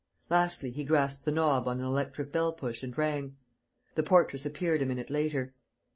Lastly, he grasped the knob on an electric bell push and rang. The portress appeared a minute later.